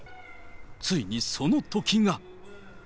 ついにそのときが。